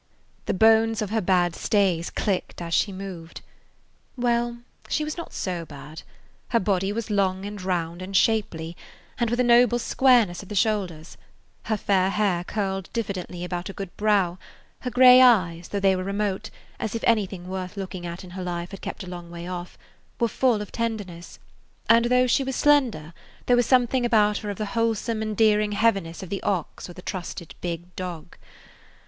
The bones of her bad stays clicked as she moved. Well, she was not so bad. Her body was long and round and shapely, and with a noble squareness of the shoulders; her fair hair curled diffi [Page 18] dently about a good brow; her gray eyes, though they were remote, as if anything worth looking at in her life had kept a long way off, were full of tenderness; and though she was slender, there was something about her of the wholesome, endearing heaviness of the ox or the trusted big dog.